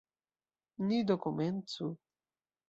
Ni do komencu.